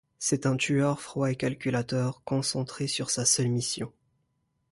C'est un tueur froid et calculateur, concentré sur sa seule mission.